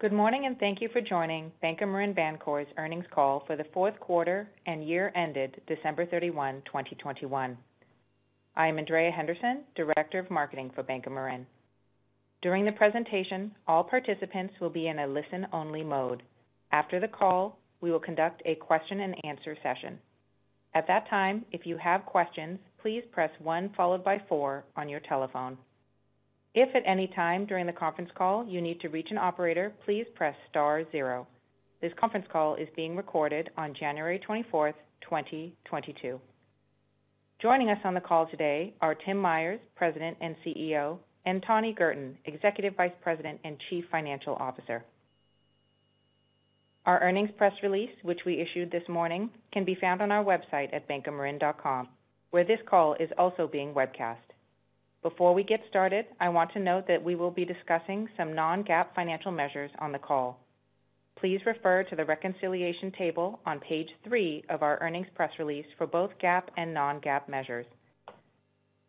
Good morning, and thank you for joining Bank of Marin Bancorp's earnings call for the fourth quarter and year ended December 31, 2021. I am Andrea Henderson, Director of Marketing for Bank of Marin. During the presentation, all participants will be in a listen only mode. After the call, we will conduct a question and answer session. At that time, if you have questions, please press one followed by four on your telephone. If at any time during the conference call you need to reach an operator, please press star zero. This conference call is being recorded on January 24, 2022. Joining us on the call today are Tim Myers, President and CEO, and Tani Girton, Executive Vice President and Chief Financial Officer. Our earnings press release, which we issued this morning, can be found on our website at bankofmarin.com, where this call is also being webcast. Before we get started, I want to note that we will be discussing some non-GAAP financial measures on the call. Please refer to the reconciliation table on page three of our earnings press release for both GAAP and non-GAAP measures.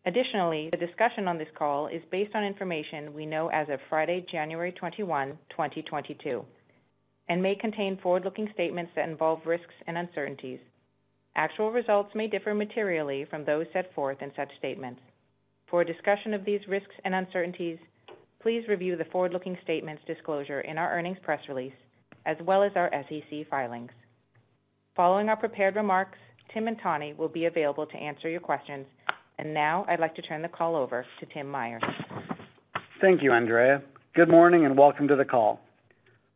Additionally, the discussion on this call is based on information we know as of Friday, January 21, 2022, and may contain forward-looking statements that involve risks and uncertainties. Actual results may differ materially from those set forth in such statements. For a discussion of these risks and uncertainties, please review the forward-looking statements disclosure in our earnings press release, as well as our SEC filings. Following our prepared remarks, Tim and Tani will be available to answer your questions. Now I'd like to turn the call over to Tim Myers. Thank you, Andrea. Good morning, and welcome to the call.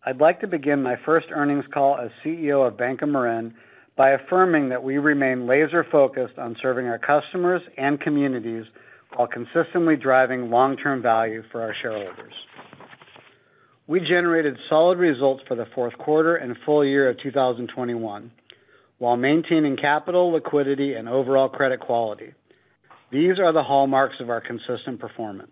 I'd like to begin my first earnings call as CEO of Bank of Marin by affirming that we remain laser-focused on serving our customers and communities while consistently driving long-term value for our shareholders. We generated solid results for the Q4 and full year of 2021 while maintaining capital, liquidity, and overall credit quality. These are the hallmarks of our consistent performance.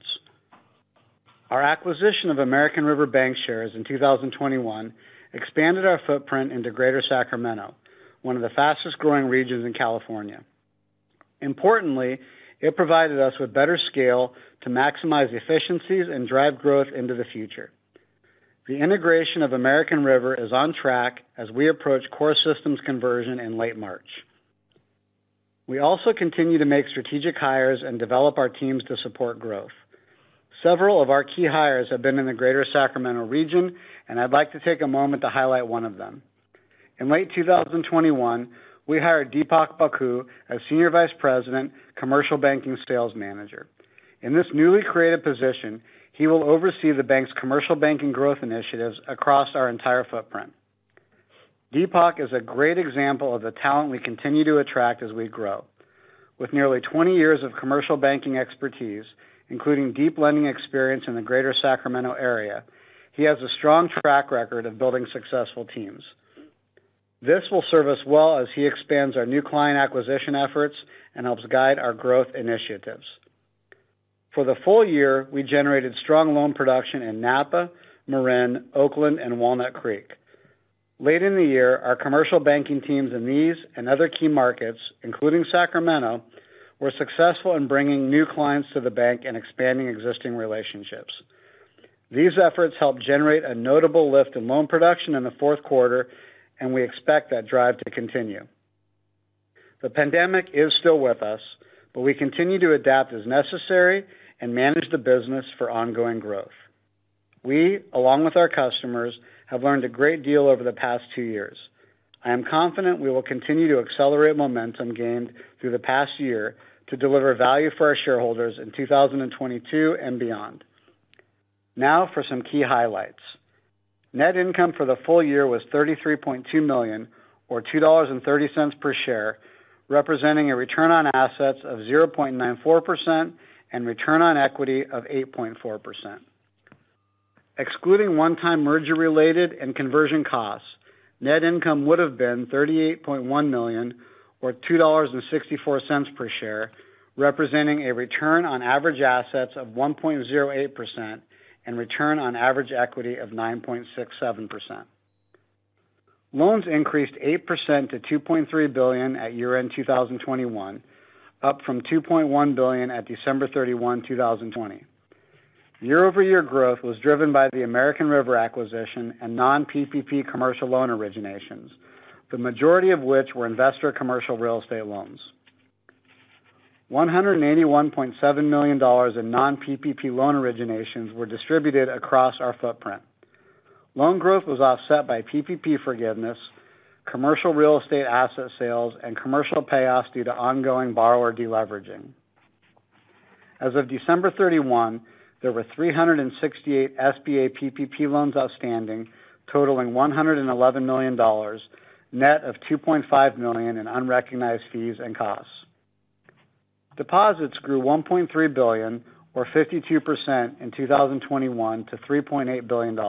Our acquisition of American River Bank shares in 2021 expanded our footprint into Greater Sacramento, one of the fastest-growing regions in California. Importantly, it provided us with better scale to maximize efficiencies and drive growth into the future. The integration of American River is on track as we approach core systems conversion in late March. We also continue to make strategic hires and develop our teams to support growth. Several of our key hires have been in the Greater Sacramento region, and I'd like to take a moment to highlight one of them. In late 2021, we hired Deepak Bhakoo as Senior Vice President, Commercial Banking Sales Manager. In this newly created position, he will oversee the bank's commercial banking growth initiatives across our entire footprint. Deepak is a great example of the talent we continue to attract as we grow. With nearly 20 years of commercial banking expertise, including deep lending experience in the Greater Sacramento area, he has a strong track record of building successful teams. This will serve us well as he expands our new client acquisition efforts and helps guide our growth initiatives. For the full year, we generated strong loan production in Napa, Marin, Oakland, and Walnut Creek. Late in the year, our commercial banking teams in these and other key markets, including Sacramento, were successful in bringing new clients to the bank and expanding existing relationships. These efforts helped generate a notable lift in loan production in the Q4, and we expect that drive to continue. The pandemic is still with us, but we continue to adapt as necessary and manage the business for ongoing growth. We, along with our customers, have learned a great deal over the past two years. I am confident we will continue to accelerate momentum gained through the past year to deliver value for our shareholders in 2022 and beyond. Now for some key highlights. Net income for the full year was $33.2 million or $2.30 per share, representing a return on assets of 0.94% and return on equity of 8.4%. Excluding one-time merger-related and conversion costs, net income would have been $38.1 million, or $2.64 per share, representing a return on average assets of 1.08% and return on average equity of 9.67%. Loans increased 8% to $2.3 billion at year-end 2021, up from $2.1 billion at December 31, 2020. Year-over-year growth was driven by the American River acquisition and non-PPP commercial loan originations, the majority of which were investor commercial real estate loans. $181.7 million in non-PPP loan originations were distributed across our footprint. Loan growth was offset by PPP forgiveness, commercial real estate asset sales, and commercial payoffs due to ongoing borrower deleveraging. As of December 31, there were 368 SBA PPP loans outstanding, totaling $111 million, net of $2.5 million in unrecognized fees and costs. Deposits grew $1.3 billion or 52% in 2021 to $3.8 billion,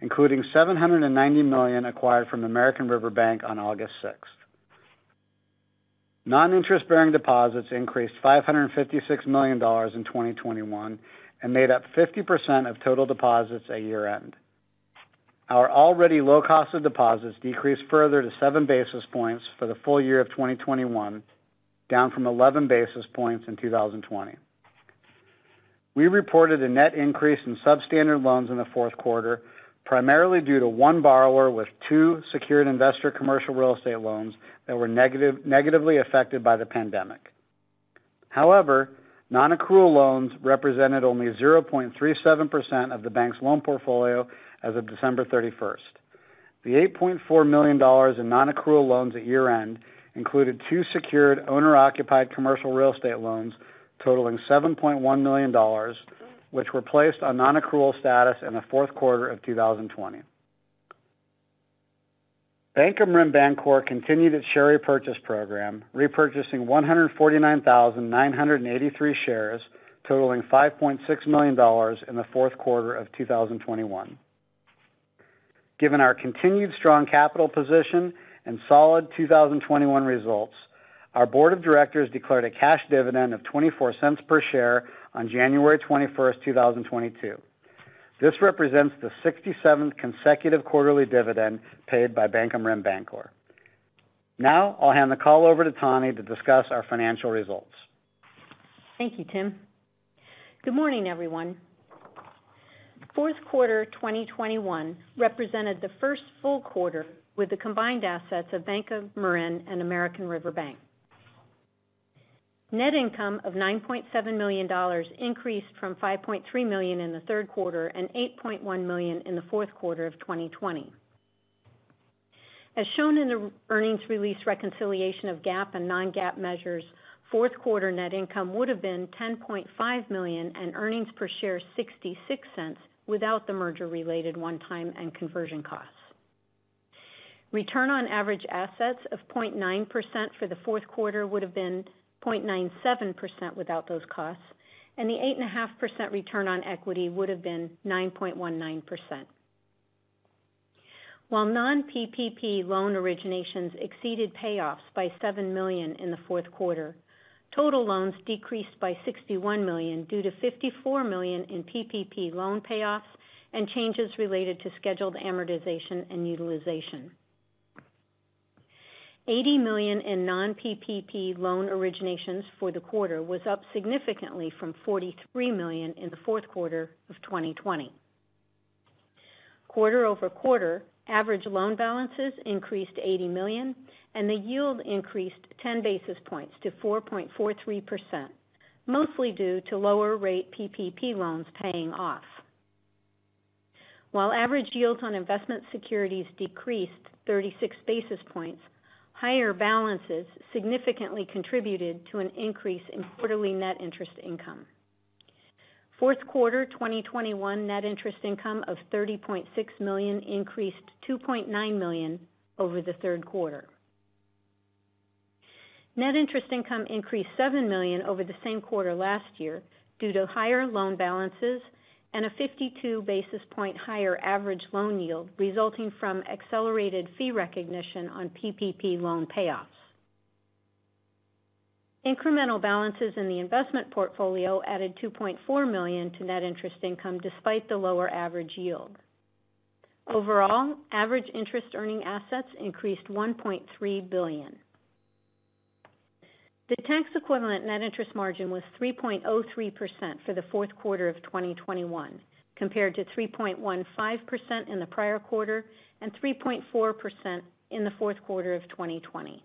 including $790 million acquired from American River Bank on August 6. Non-interest bearing deposits increased $556 million in 2021 and made up 50% of total deposits at year-end. Our already low cost of deposits decreased further to 7 basis points for the full year of 2021, down from 11 basis points in 2020. We reported a net increase in substandard loans in the Q4, primarily due to one borrower with two secured investor commercial real estate loans that were negatively affected by the pandemic. However, non-accrual loans represented only 0.37% of the bank's loan portfolio as of December 31. The $8.4 million in non-accrual loans at year-end included two secured owner-occupied commercial real estate loans totaling $7.1 million, which were placed on non-accrual status in the Q4 of 2020. Bank of Marin Bancorp continued its share repurchase program, repurchasing 149,983 shares totaling $5.6 million in the Q4 of 2021. Given our continued strong capital position and solid 2021 results, our board of directors declared a cash dividend of $0.24 per share on January 21, 2022. This represents the 67th consecutive quarterly dividend paid by Bank of Marin Bancorp. Now I'll hand the call over to Tani to discuss our financial results. Thank you, Tim. Good morning, everyone. Q4 2021 represented the first full quarter with the combined assets of Bank of Marin and American River Bank. Net income of $9.7 million increased from $5.3 million in the Q3 and $8.1 million in the Q4 of 2020. As shown in the earnings release reconciliation of GAAP and non-GAAP measures, Q4 net income would have been $10.5 million and earnings per share $0.66 without the merger-related one-time and conversion costs. Return on average assets of 0.9% for the Q4 would have been 0.97% without those costs, and the 8.5% return on equity would have been 9.19%. While non-PPP loan originations exceeded payoffs by $7 million in the Q4, total loans decreased by $61 million, due to $54 million in PPP loan payoffs and changes related to scheduled amortization and utilization. $80 million in non-PPP loan originations for the quarter was up significantly from $43 million in the Q4 of 2020. Quarter-over-quarter, average loan balances increased $80 million and the yield increased 10 basis points to 4.43%, mostly due to lower rate PPP loans paying off. While average yields on investment securities decreased 36 basis points, higher balances significantly contributed to an increase in quarterly net interest income. Q4 2021 net interest income of $30.6 million increased $2.9 million over the Q3. Net interest income increased $7 million over the same quarter last year due to higher loan balances and a 52 basis point higher average loan yield resulting from accelerated fee recognition on PPP loan payoffs. Incremental balances in the investment portfolio added $2.4 million to net interest income despite the lower average yield. Overall, average interest earning assets increased $1.3 billion. The tax equivalent net interest margin was 3.03% for the Q4 of 2021, compared to 3.15% in the prior quarter and 3.4% in the Q4 of 2020.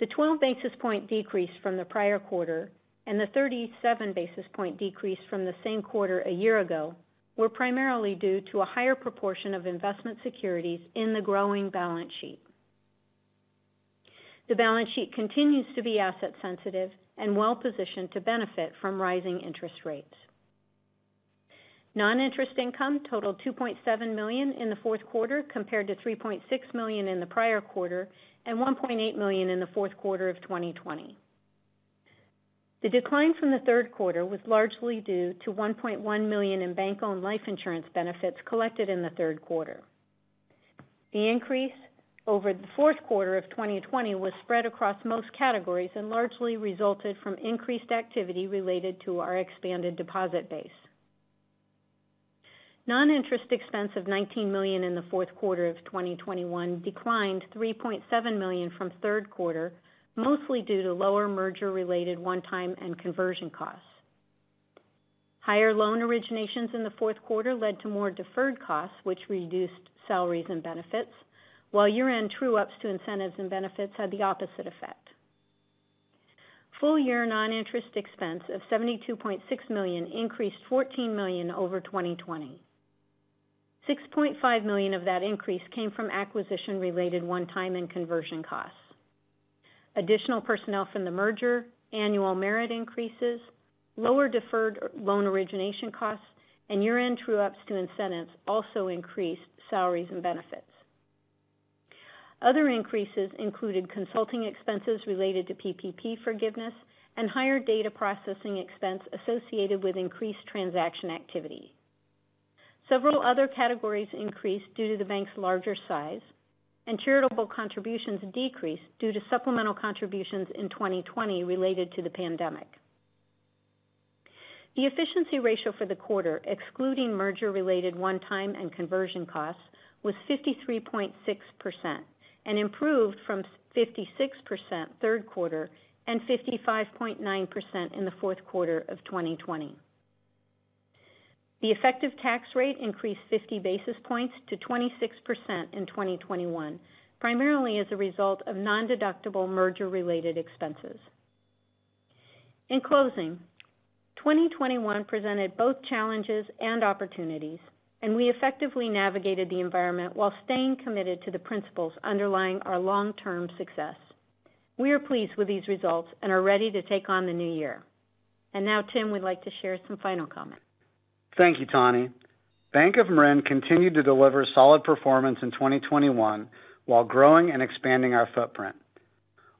The 12 basis point decrease from the prior quarter and the 37 basis point decrease from the same quarter a year ago were primarily due to a higher proportion of investment securities in the growing balance sheet. The balance sheet continues to be asset sensitive and well-positioned to benefit from rising interest rates. Non-interest income totaled $2.7 million in the Q4, compared to $3.6 million in the prior quarter and $1.8 million in the Q4 of 2020. The decline from the Q3 was largely due to $1.1 million in bank-owned life insurance benefits collected in the Q3. The increase over the Q4 of 2020 was spread across most categories and largely resulted from increased activity related to our expanded deposit base. Non-interest expense of $19 million in the Q4 of 2021 declined $3.7 million from Q3, mostly due to lower merger-related one-time and conversion costs. Higher loan originations in the Q4 led to more deferred costs which reduced salaries and benefits, while year-end true ups to incentives and benefits had the opposite effect. Full year non-interest expense of $72.6 million increased $14 million over 2020. $6.5 million of that increase came from acquisition-related one-time and conversion costs. Additional personnel from the merger, annual merit increases, lower deferred loan origination costs, and year-end true ups to incentives also increased salaries and benefits. Other increases included consulting expenses related to PPP forgiveness and higher data processing expense associated with increased transaction activity. Several other categories increased due to the bank's larger size, and charitable contributions decreased due to supplemental contributions in 2020 related to the pandemic. The efficiency ratio for the quarter, excluding merger-related one-time and conversion costs, was 53.6% and improved from 56% in the Q3 and 55.9% in the Q4 of 2020. The effective tax rate increased 50 basis points to 26% in 2021, primarily as a result of nondeductible merger-related expenses. In closing, 2021 presented both challenges and opportunities, and we effectively navigated the environment while staying committed to the principles underlying our long-term success. We are pleased with these results and are ready to take on the new year. Now Tim would like to share some final comments. Thank you, Tani. Bank of Marin continued to deliver solid performance in 2021 while growing and expanding our footprint.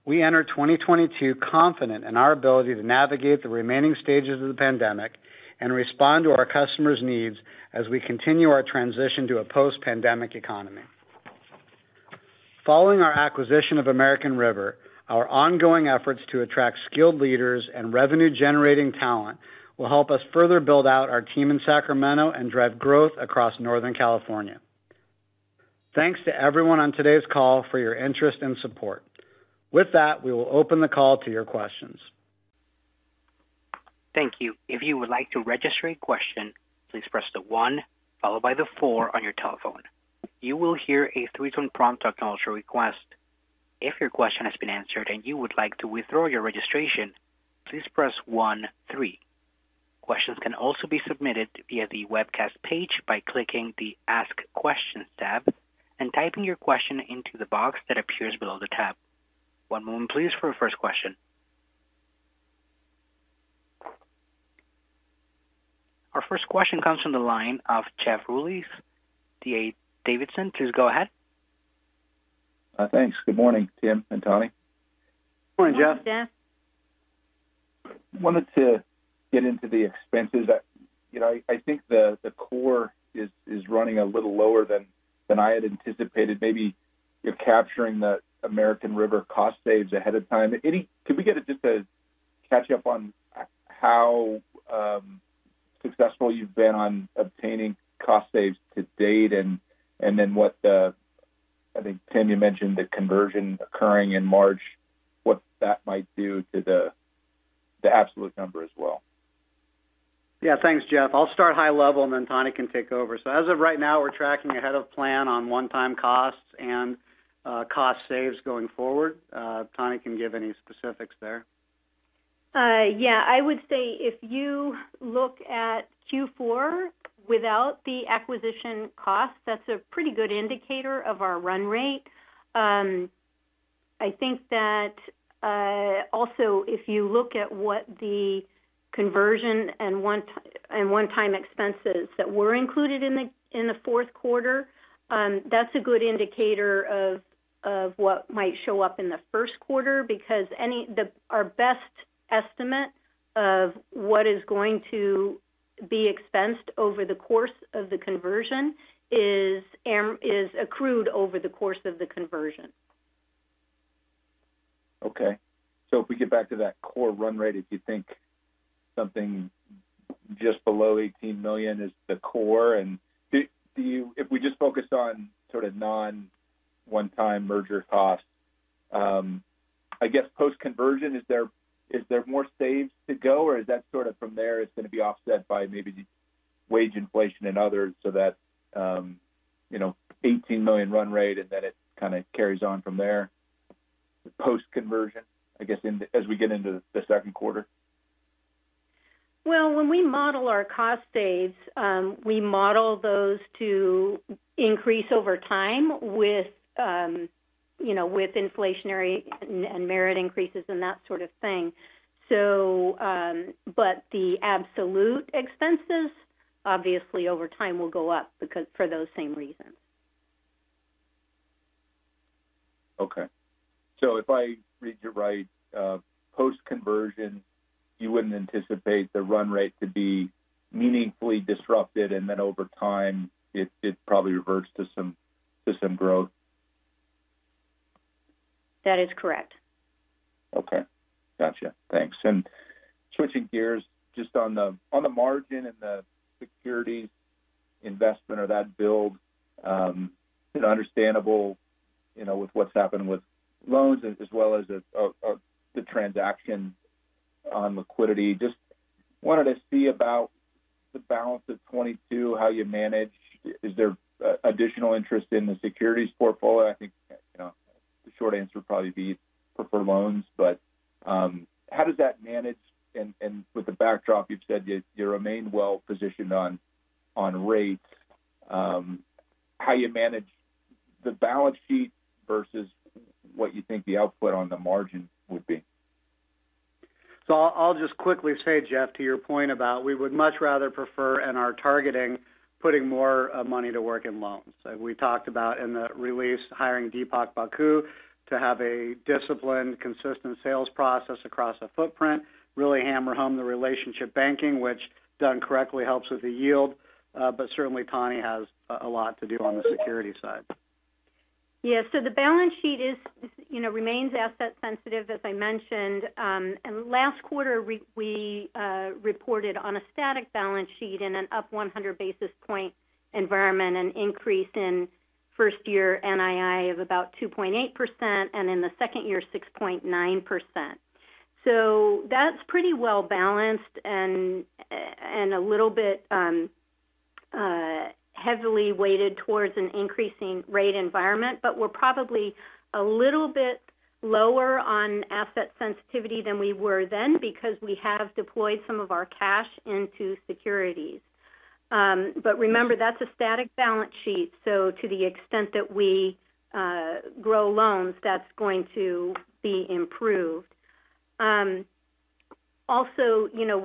We enter 2022 confident in our ability to navigate the remaining stages of the pandemic and respond to our customers' needs as we continue our transition to a post-pandemic economy. Following our acquisition of American River, our ongoing efforts to attract skilled leaders and revenue-generating talent will help us further build out our team in Sacramento and drive growth across Northern California. Thanks to everyone on today's call for your interest and support. With that, we will open the call to your questions. Thank you. If you would like to register a question, please press the one followed by the four on your telephone. You will hear a three-tone prompt acknowledging your request. If your question has been answered and you would like to withdraw your registration, please press one, three. Questions can also be submitted via the webcast page by clicking the Ask Questions tab and typing your question into the box that appears below the tab. One moment please for the first question. Our first question comes from the line of Jeff Rulis, D.A. Davidson. Please go ahead. Thanks. Good morning, Tim and Tani. Morning, Jeff. Morning, Jeff. Wanted to get into the expenses. You know, I think the core is running a little lower than I had anticipated. Maybe you're capturing the American River cost saves ahead of time. Could we get just a catch up on how successful you've been on obtaining cost saves to date and then what the I think, Tim, you mentioned the conversion occurring in March, what that might do to the absolute number as well. Yeah. Thanks, Jeff. I'll start high level and then Tani can take over. As of right now, we're tracking ahead of plan on one-time costs and cost saves going forward. Tani can give any specifics there. Yeah. I would say if you look at Q4 without the acquisition cost, that's a pretty good indicator of our run rate. I think that also, if you look at what the conversion and one-time expenses that were included in the Q4, that's a good indicator of what might show up in the Q1 because our best estimate of what is going to be expensed over the course of the conversion is accrued over the course of the conversion. Okay. If we get back to that core run rate, if you think something just below $18 million is the core. Do you—if we just focused on sort of non-one-time merger costs, I guess post-conversion, is there more savings to go, or is that sort of from there, it's going to be offset by maybe the wage inflation and others so that, you know, $18 million run rate and then it kind of carries on from there post-conversion, I guess, in as we get into the Q2? Well, when we model our cost savings, we model those to increase over time with, you know, with inflationary and merit increases and that sort of thing, but the absolute expenses, obviously over time will go up because for those same reasons. Okay. If I read you right, post-conversion, you wouldn't anticipate the run rate to be meaningfully disrupted, and then over time, it probably reverts to some growth. That is correct. Okay. Gotcha. Thanks. Switching gears just on the margin and the securities investment or that build, you know, understandable, you know, with what's happened with loans as well as the transaction on liquidity. Just wanted to see about the balance of 2022, how you manage. Is there additional interest in the securities portfolio? I think, you know, the short answer would probably be prefer loans. How does that manage? With the backdrop, you've said you remain well positioned on rates. How you manage the balance sheet versus what you think the output on the margin would be. I'll just quickly say, Jeff, to your point about we would much rather prefer and are targeting putting more money to work in loans. We talked about in the release hiring Deepak Bhakoo to have a disciplined, consistent sales process across the footprint, really hammer home the relationship banking, which done correctly helps with the yield. But certainly Tani has a lot to do on the security side. Yeah. The balance sheet is, you know, remains asset sensitive, as I mentioned. Last quarter, we reported on a static balance sheet in an up 100 basis point environment, an increase in first year NII of about 2.8%, and in the second year, 6.9%. That's pretty well balanced and a little bit heavily weighted towards an increasing rate environment. We're probably a little bit lower on asset sensitivity than we were then because we have deployed some of our cash into securities. Remember, that's a static balance sheet. To the extent that we grow loans, that's going to be improved. Also, you know,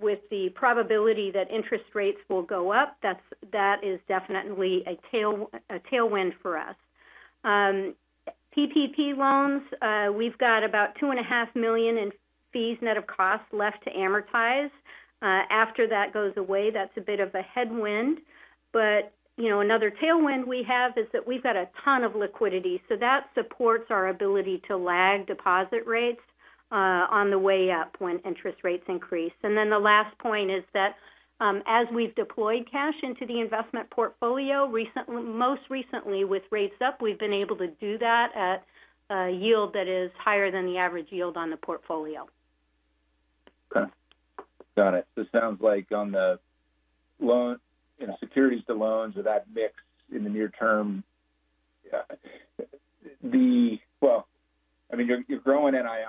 with the probability that interest rates will go up, that is definitely a tailwind for us. PPP loans, we've got about $2.5 million in fees net of costs left to amortize. After that goes away, that's a bit of a headwind. You know, another tailwind we have is that we've got a ton of liquidity. That supports our ability to lag deposit rates on the way up when interest rates increase. The last point is that, as we've deployed cash into the investment portfolio recently, most recently with rates up, we've been able to do that at a yield that is higher than the average yield on the portfolio. Okay. Got it. It sounds like on the loan, you know, securities to loans or that mix in the near term. Well, I mean, you're growing NII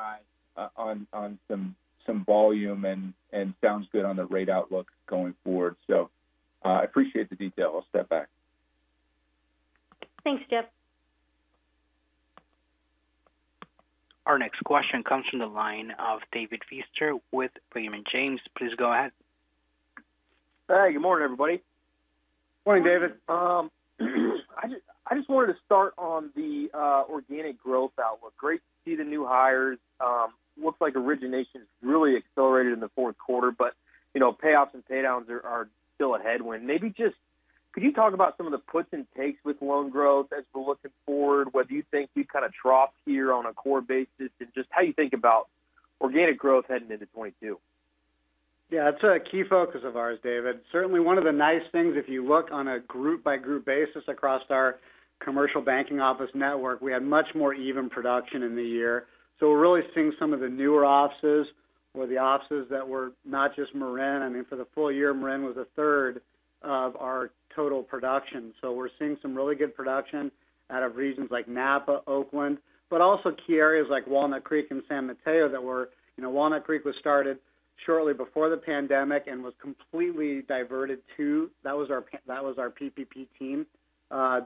on some volume and sounds good on the rate outlook going forward. I appreciate the detail. I'll step back. Thanks, Jeff. Our next question comes from the line of David Feaster with Raymond James. Please go ahead. Hey, good morning, everybody. Morning, David. I just wanted to start on the organic growth outlook. Great to see the new hires. Looks like origination's really accelerated in the Q4, but you know, payoffs and pay downs are still a headwind. Maybe just could you talk about some of the puts and takes with loan growth as we're looking forward? What do you think you've kind of dropped here on a core basis, and just how you think about organic growth heading into 2022? Yeah, it's a key focus of ours, David. Certainly one of the nice things, if you look on a group by group basis across our commercial banking office network, we had much more even production in the year. We're really seeing some of the newer offices or the offices that were not just Marin. I mean, for the full year, Marin was a third of our total production. We're seeing some really good production out of regions like Napa, Oakland, but also key areas like Walnut Creek and San Mateo that were you know, Walnut Creek was started shortly before the pandemic and was completely diverted to. That was our PPP team.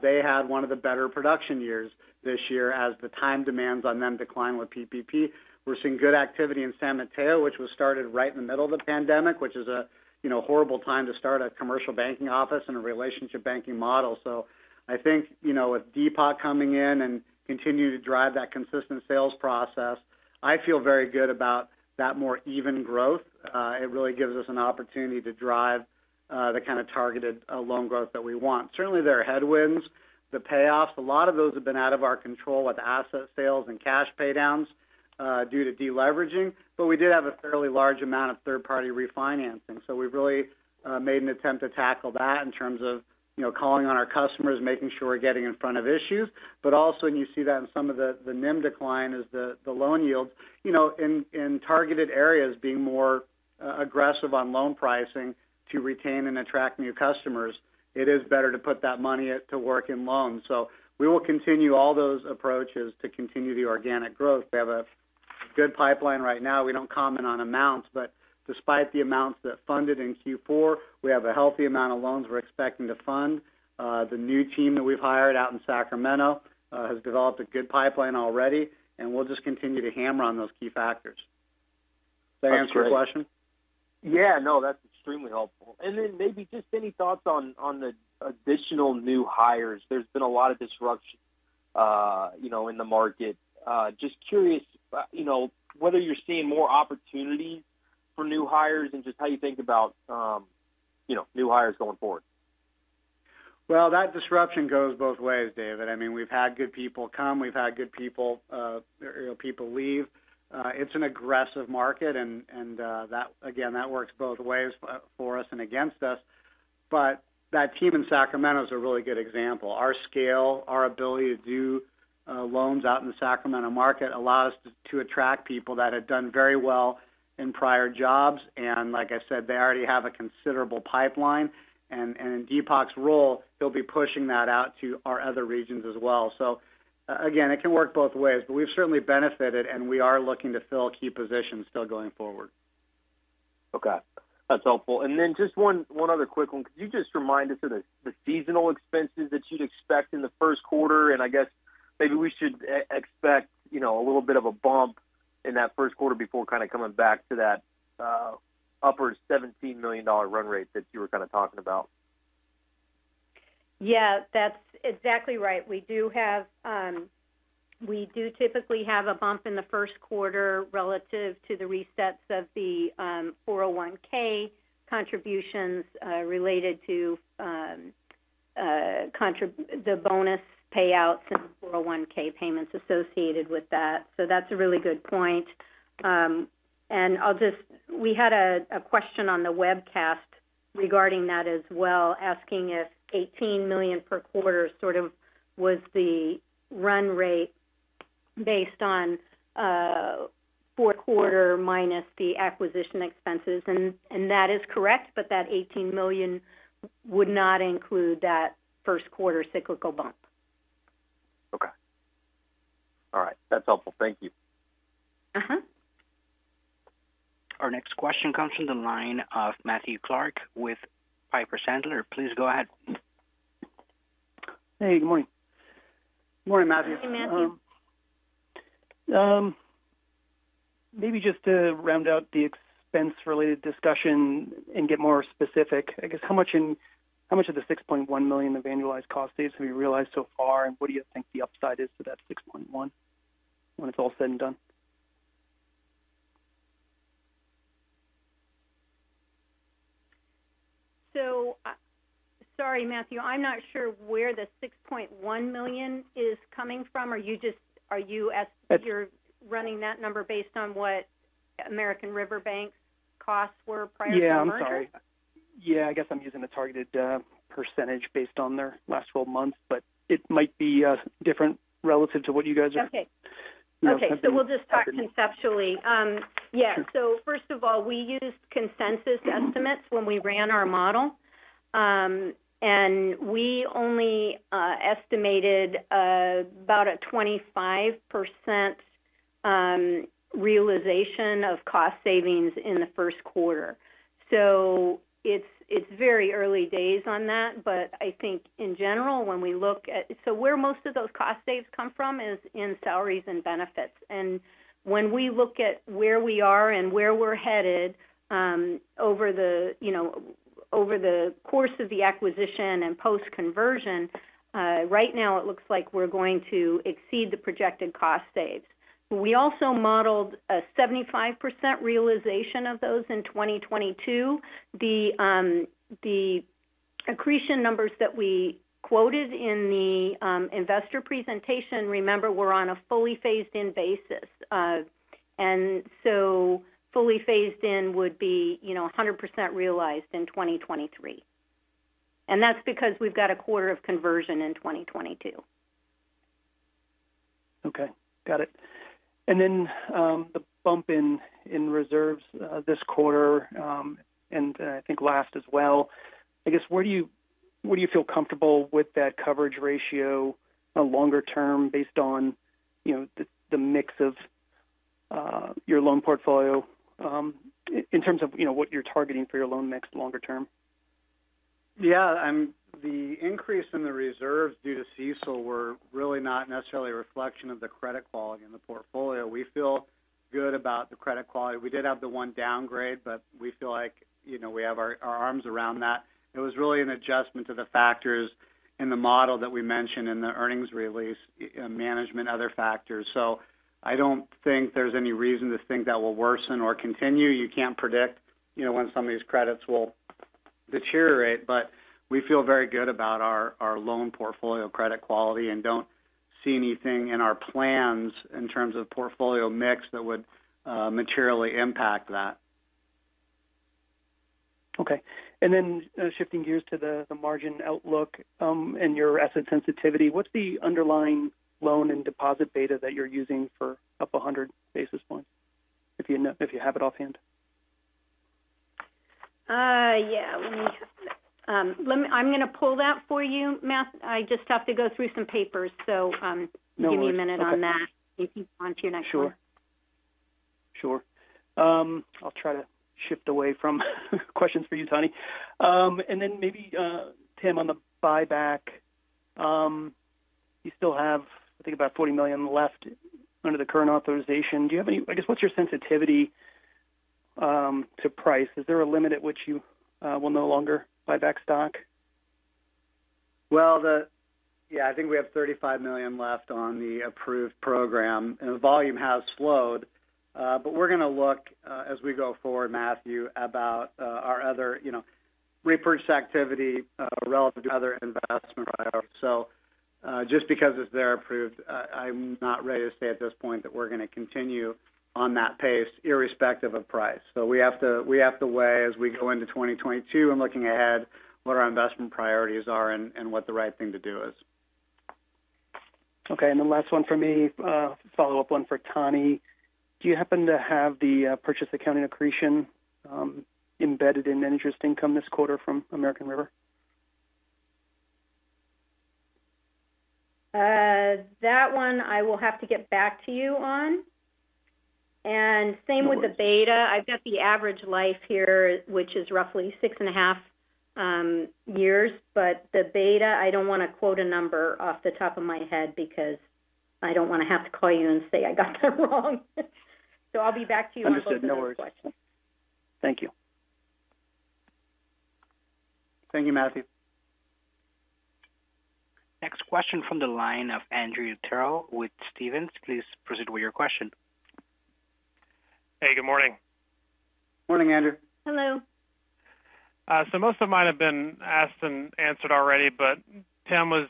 They had one of the better production years this year as the time demands on them declined with PPP. We're seeing good activity in San Mateo, which was started right in the middle of the pandemic, which is, you know, horrible time to start a commercial banking office and a relationship banking model. I think, you know, with Deepak coming in and continue to drive that consistent sales process, I feel very good about that more even growth. It really gives us an opportunity to drive the kind of targeted loan growth that we want. Certainly, there are headwinds. The payoffs, a lot of those have been out of our control with asset sales and cash pay downs due to de-leveraging. We did have a fairly large amount of third-party refinancing. We've really made an attempt to tackle that in terms of, you know, calling on our customers, making sure we're getting in front of issues. You see that in some of the NIM decline is the loan yields. You know, in targeted areas, being more aggressive on loan pricing to retain and attract new customers, it is better to put that money to work in loans. We will continue all those approaches to continue the organic growth. We have a good pipeline right now. We don't comment on amounts, but despite the amounts that funded in Q4, we have a healthy amount of loans we're expecting to fund. The new team that we've hired out in Sacramento has developed a good pipeline already, and we'll just continue to hammer on those key factors. That's great. Does that answer your question? Yeah. No, that's extremely helpful. Maybe just any thoughts on the additional new hires. There's been a lot of disruption, you know, in the market. Just curious, you know, whether you're seeing more opportunity for new hires and just how you think about, you know, new hires going forward. Well, that disruption goes both ways, David. I mean, we've had good people come. We've had good people, you know, people leave. It's an aggressive market and that again works both ways for us and against us. That team in Sacramento is a really good example. Our scale, our ability to do loans out in the Sacramento market allows to attract people that have done very well in prior jobs. Like I said, they already have a considerable pipeline. In Deepak's role, he'll be pushing that out to our other regions as well. Again, it can work both ways, but we've certainly benefited, and we are looking to fill key positions still going forward. Okay. That's helpful. Just one other quick one. Could you just remind us of the seasonal expenses that you'd expect in the Q1? I guess maybe we should expect, you know, a little bit of a bump in that Q1 before kind of coming back to that upper $17 million run rate that you were kind of talking about. Yeah, that's exactly right. We typically have a bump in the Q1 relative to the resets of the 401K contributions related to the bonus payouts and 401K payments associated with that. That's a really good point. We had a question on the webcast regarding that as well, asking if $18 million per quarter sort of was the run rate based on Q4 minus the acquisition expenses. That is correct, but that $18 million would not include that Q1 cyclical bump. Okay. All right. That's helpful. Thank you. Our next question comes from the line of Matthew Clark with Piper Sandler. Please go ahead. Hey, good morning. Good morning, Matthew. Maybe just to round out the expense-related discussion and get more specific, I guess how much of the $6.1 million of annualized cost savings have you realized so far, and what do you think the upside is to that $6.1 million when it's all said and done? Sorry, Matthew, I'm not sure where the $6.1 million is coming from. Are you running that number based on what American River Bank costs were prior to the merger? Yeah, I'm sorry. Yeah, I guess I'm using the targeted percentage based on their last twelve months, but it might be different relative to what you guys are- Okay. You know, attempting. Okay. We'll just talk conceptually. Yeah. First of all, we used consensus estimates when we ran our model. We only estimated about a 25% realization of cost savings in the Q1. It's very early days on that. I think in general, when we look at where most of those cost savings come from is in salaries and benefits. When we look at where we are and where we're headed, you know, over the course of the acquisition and post-conversion, right now it looks like we're going to exceed the projected cost savings. We also modeled a 75% realization of those in 2022. The accretion numbers that we quoted in the investor presentation, remember, were on a fully phased in basis. Fully phased in would be, you know, 100% realized in 2023. That's because we've got a quarter of conversion in 2022. Okay, got it. The bump in reserves this quarter, and I guess, where do you feel comfortable with that coverage ratio longer term based on, you know, the mix of your loan portfolio, in terms of, you know, what you're targeting for your loan mix longer term? Yeah. The increase in the reserves due to CECL were really not necessarily a reflection of the credit quality in the portfolio. We feel good about the credit quality. We did have the one downgrade, but we feel like, you know, we have our arms around that. It was really an adjustment to the factors in the model that we mentioned in the earnings release, management and other factors. So I don't think there's any reason to think that will worsen or continue. You can't predict, you know, when some of these credits will deteriorate, but we feel very good about our loan portfolio credit quality and don't see anything in our plans in terms of portfolio mix that would materially impact that. Okay. Shifting gears to the margin outlook and your asset sensitivity, what's the underlying loan and deposit beta that you're using for up 100 basis points, if you have it offhand? I'm gonna pull that for you, Matt. I just have to go through some papers. No worries. Give me a minute on that. You can move on to your next one. I'll try to shift away from questions for you, Toni. Maybe Tim, on the buyback, you still have, I think, about $40 million left under the current authorization. I guess, what's your sensitivity to price? Is there a limit at which you will no longer buy back stock? Yeah, I think we have $35 million left on the approved program, and the volume has slowed. We're gonna look as we go forward, Matthew, about our other, you know, repurchase activity relative to other investment priorities. Just because it's approved, I'm not ready to say at this point that we're gonna continue on that pace irrespective of price. We have to weigh as we go into 2022 and looking ahead what our investment priorities are and what the right thing to do is. Okay. The last one for me, follow-up one for Tani. Do you happen to have the purchase accounting accretion embedded in net interest income this quarter from American River? That one I will have to get back to you on. Same with the beta. I've got the average life here, which is roughly 6.5 years. The beta, I don't wanna quote a number off the top of my head because I don't wanna have to call you and say I got that wrong. I'll be back to you on both those questions. Understood. No worries. Thank you. Thank you, Matthew. Next question from the line of Andrew Terrell with Stephens. Please proceed with your question. Hey, good morning. Morning, Andrew. Hello. Most of mine have been asked and answered already, but Tim was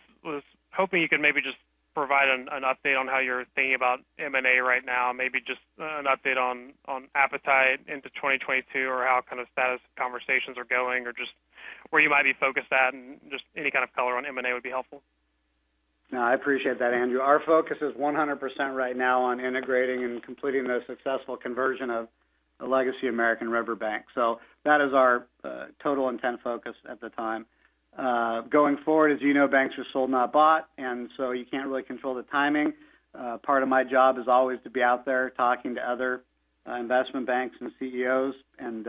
hoping you could maybe just provide an update on how you're thinking about M&A right now. Maybe just an update on appetite into 2022 or how kind of status conversations are going, or just where you might be focused at, and just any kind of color on M&A would be helpful. No, I appreciate that, Andrew. Our focus is 100% right now on integrating and completing the successful conversion of a legacy American River Bank. That is our total intent focus at the time. Going forward, as you know, banks are sold, not bought, and you can't really control the timing. Part of my job is always to be out there talking to other investment banks and CEOs, and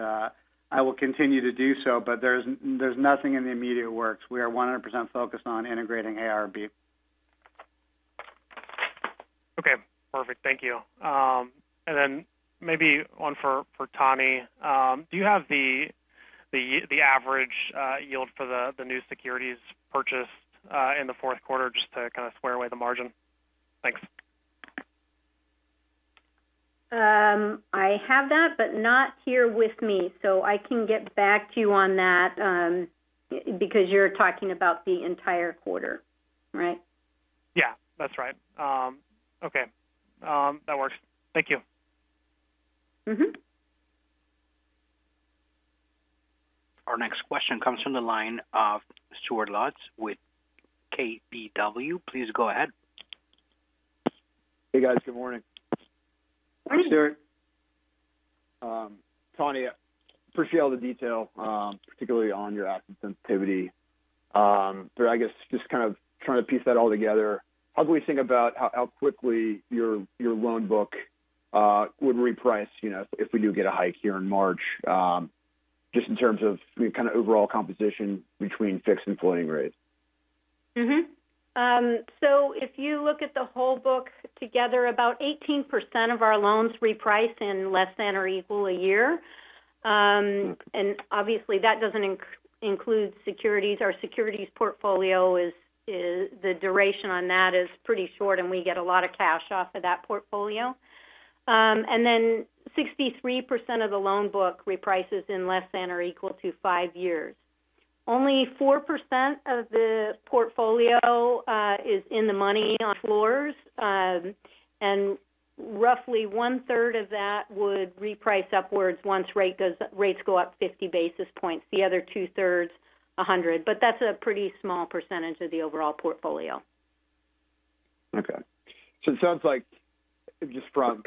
I will continue to do so, but there's nothing in the immediate works. We are 100% focused on integrating ARB. Okay. Perfect. Thank you. Maybe one for Tani. Do you have the average yield for the new securities purchased in the Q4 just to kind of square away the margin? Thanks. I have that, but not here with me, so I can get back to you on that, because you're talking about the entire quarter, right? Yeah, that's right. Okay. That works. Thank you. Mm-hmm. Our next question comes from the line of Stuart Lotz with KBW. Please go ahead. Hey, guys. Good morning. Hi, Stuart. Tani, I appreciate all the detail, particularly on your asset sensitivity. I guess, just kind of trying to piece that all together, how do we think about how quickly your loan book would reprice, you know, if we do get a hike here in March, just in terms of kind of overall composition between fixed and floating rates? If you look at the whole book together, about 18% of our loans reprice in less than or equal to a year. Obviously that doesn't include securities. Our securities portfolio, the duration on that, is pretty short, and we get a lot of cash off of that portfolio. Then 63% of the loan book reprices in less than or equal to five years. Only 4% of the portfolio is in the money on floors. Roughly one-third of that would reprice upwards once rates go up 50 basis points. The other two-thirds, 100. That's a pretty small percentage of the overall portfolio. Okay. It sounds like just from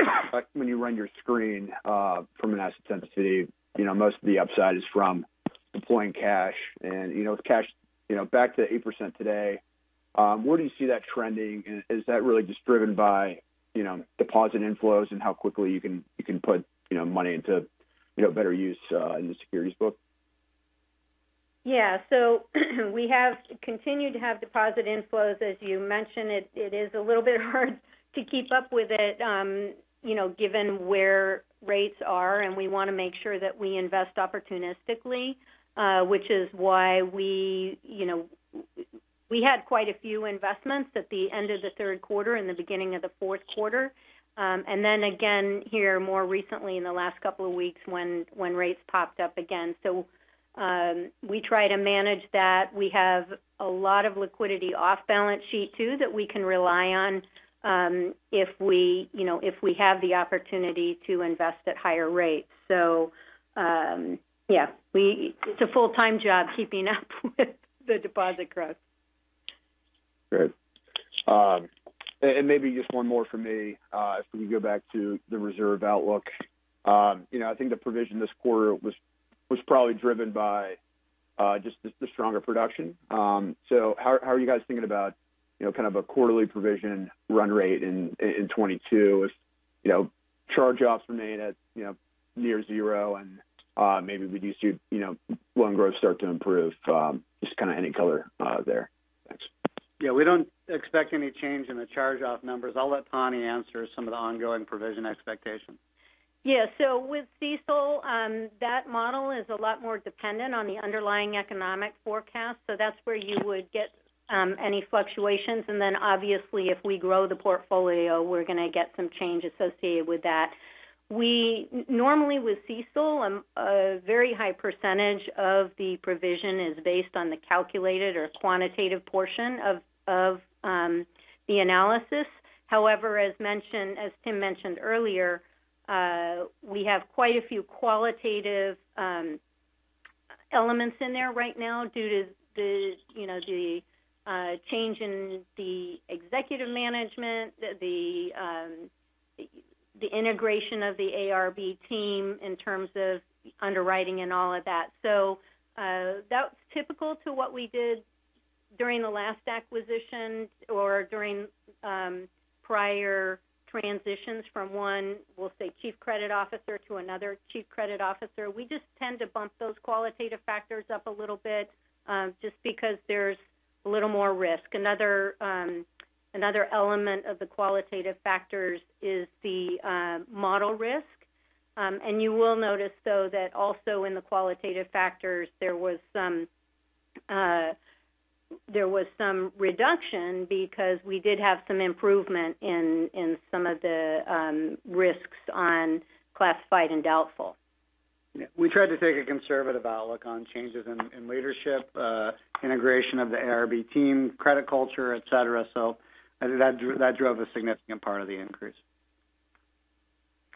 when you run your screen, from an asset sensitivity, you know, most of the upside is from deploying cash and, you know, with cash, you know, back to 8% today, where do you see that trending? Is that really just driven by, you know, deposit inflows and how quickly you can put, you know, money into, you know, better use, in the securities book? Yeah. We have continued to have deposit inflows. As you mentioned, it is a little bit hard to keep up with it, you know, given where rates are, and we wanna make sure that we invest opportunistically, which is why we, you know, we had quite a few investments at the end of the Q3 and the beginning of the Q4, and then again here more recently in the last couple of weeks when rates popped up again. We try to manage that. We have a lot of liquidity off balance sheet too that we can rely on, if we, you know, have the opportunity to invest at higher rates. Yeah, it's a full-time job keeping up with the deposit growth. Great. Maybe just one more for me. If we could go back to the reserve outlook. You know, I think the provision this quarter was probably driven by just the stronger production. How are you guys thinking about, you know, kind of a quarterly provision run rate in 2022 if, you know, charge-offs remain at, you know, near zero and maybe we do see, you know, loan growth start to improve? Just kinda any color there. Thanks. Yeah. We don't expect any change in the charge-off numbers. I'll let Tani answer some of the ongoing provision expectations. Yeah. With CECL, that model is a lot more dependent on the underlying economic forecast. That's where you would get any fluctuations. Obviously if we grow the portfolio, we're gonna get some change associated with that. Normally with CECL, a very high percentage of the provision is based on the calculated or quantitative portion of the analysis. However, as Tim mentioned earlier, we have quite a few qualitative elements in there right now due to the, you know, the change in the executive management, the integration of the ARB team in terms of underwriting and all of that. That's typical to what we did during the last acquisition or during prior transitions from one, we'll say, Chief Credit Officer to another Chief Credit Officer. We just tend to bump those qualitative factors up a little bit, just because there's a little more risk. Another element of the qualitative factors is the model risk, and you will notice though that also in the qualitative factors, there was some reduction because we did have some improvement in some of the risks on classified and doubtful. Yeah. We tried to take a conservative outlook on changes in leadership, integration of the ARB team, credit culture, et cetera. That drove a significant part of the increase.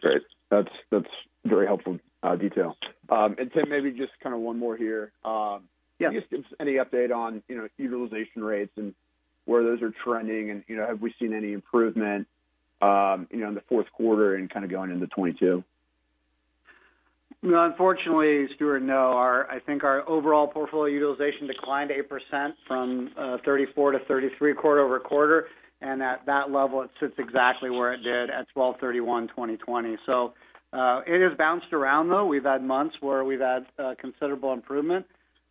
Great. That's very helpful detail. Tim, maybe just kinda one more here. Yeah. Just if there's any update on, you know, utilization rates and where those are trending and, you know, have we seen any improvement, you know, in the Q4 and kinda going into 2022? No, unfortunately, Stuart, no. I think our overall portfolio utilization declined 8% from 34% to 33% quarter-over-quarter, and at that level it sits exactly where it did at 12/31/2020. It has bounced around though. We've had months where we've had considerable improvement.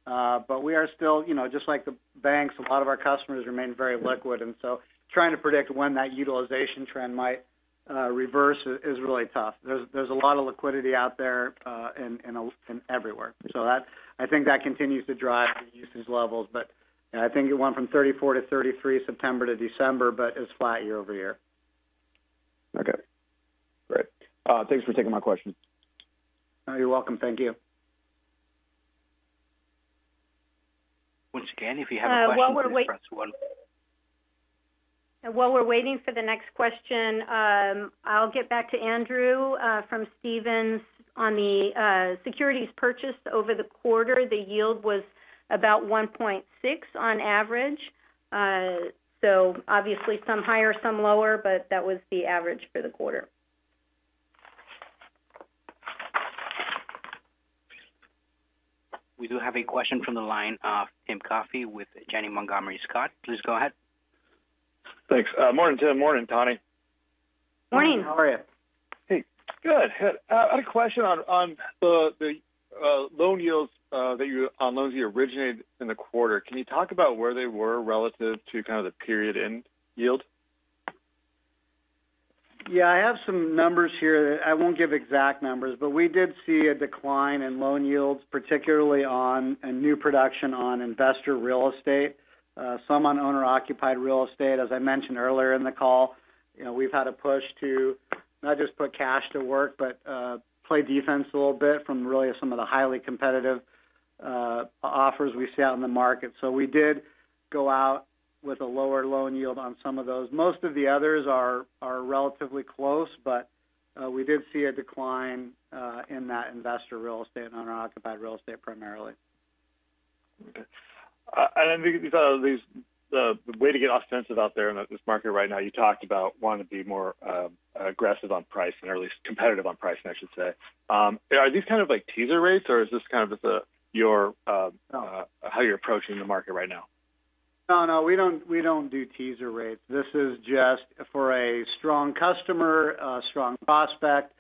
We are still, you know, just like the banks, a lot of our customers remain very liquid, and so trying to predict when that utilization trend might reverse is really tough. There's a lot of liquidity out there in everywhere. That's, I think, that continues to drive the usage levels. I think it went from 34% to 33% September to December, but it's flat year-over-year. Okay. Great. Thanks for taking my questions. Oh, you're welcome. Thank you. Once again, if you have a question, press one. While we're waiting for the next question, I'll get back to Andrew Terrell from Stephens. On the securities purchased over the quarter, the yield was about 1.6% on average. Obviously some higher, some lower, but that was the average for the quarter. We do have a question from the line of Tim Coffey with Janney Montgomery Scott. Please go ahead. Thanks. Morning, Tim. Morning, Toni. Morning. How are you? Hey, good. I had a question on the loan yields on loans you originated in the quarter. Can you talk about where they were relative to kind of the period end yield? Yeah. I have some numbers here. I won't give exact numbers, but we did see a decline in loan yields, particularly on a new production on investor real estate, some on owner-occupied real estate. As I mentioned earlier in the call, you know, we've had a push to not just put cash to work, but play defense a little bit from really some of the highly competitive offers we see out in the market. We did go out with a lower loan yield on some of those. Most of the others are relatively close, we did see a decline in that investor real estate and owner-occupied real estate primarily. Okay. The way to get offensive out there in this market right now, you talked about wanting to be more aggressive on pricing or at least competitive on pricing, I should say. Are these kind of like teaser rates or is this kind of just your how you're approaching the market right now? No, we don't do teaser rates. This is just for a strong customer, a strong prospect,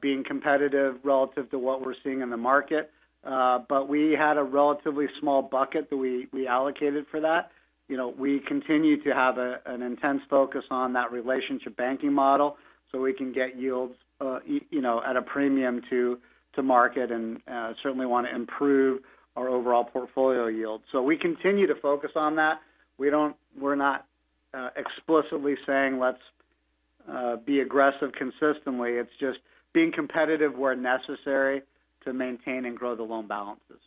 being competitive relative to what we're seeing in the market. We had a relatively small bucket that we allocated for that. You know, we continue to have an intense focus on that relationship banking model so we can get yields, you know, at a premium to market and certainly wanna improve our overall portfolio yield. We continue to focus on that. We're not explicitly saying let's be aggressive consistently. It's just being competitive where necessary to maintain and grow the loan balances.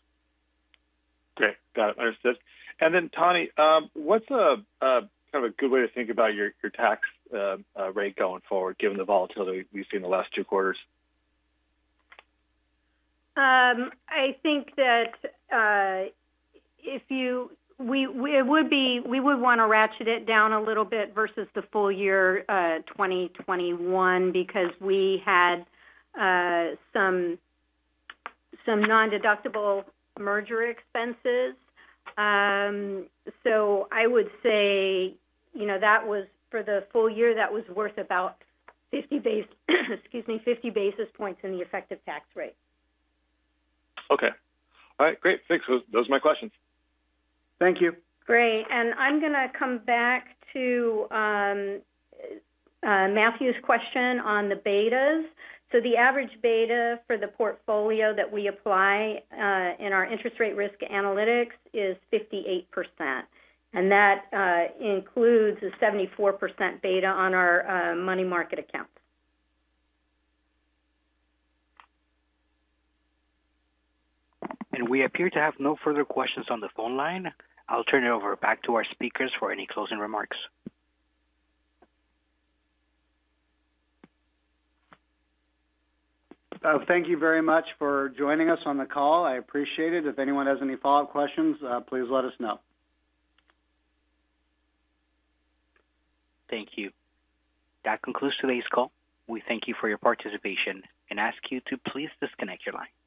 Okay. Got it. Understood. Tani Girton, what's a kind of a good way to think about your tax rate going forward given the volatility we've seen in the last two quarters? I think that if we would wanna ratchet it down a little bit versus the full year 2021 because we had some non-deductible merger expenses. I would say, you know, that was for the full year, that was worth about 50 basis points in the effective tax rate. Okay. All right. Great. Thanks. Those are my questions. Thank you. Great. I'm gonna come back to Matthew's question on the betas. The average beta for the portfolio that we apply in our interest rate risk analytics is 58%, and that includes the 74% beta on our money market accounts. We appear to have no further questions on the phone line. I'll turn it over back to our speakers for any closing remarks. Thank you very much for joining us on the call. I appreciate it. If anyone has any follow-up questions, please let us know. Thank you. That concludes today's call. We thank you for your participation and ask you to please disconnect your line.